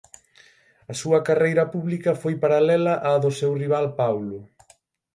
A súa carreira pública foi paralela á do seu rival Paulo.